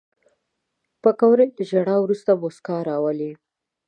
پکورې له ژړا وروسته موسکا راولي